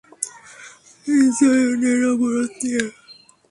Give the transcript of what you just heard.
জায়নের অবরোধ নিয়ে।